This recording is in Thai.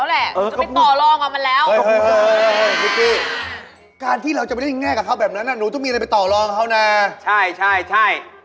เฮ้ยการที่เราจะไปได้ง่ายกับเขาแบบนั้นน่ะหนูจะมีอะไรไปต่อรองเขาหน่าใช่ใช่ใช่